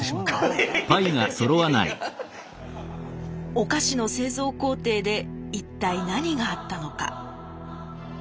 お菓子の製造工程で一体何があったのか？